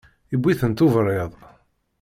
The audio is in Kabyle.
Iwwi-tent uberriḍ.